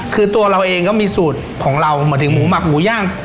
คือตัวเราเองก็มีสูตรของเราหมายถึงหมูหมักหมูย่าง